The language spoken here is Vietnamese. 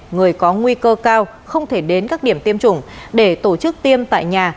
người có nguy cơ cao không thể đến các điểm tiêm chủng để tổ chức tiêm tại nhà